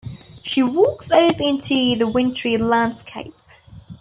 She walks off into the wintry landscape.